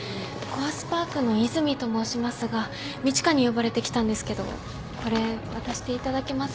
コアスパークの和泉と申しますが路加に呼ばれて来たんですけどこれ渡していただけますか？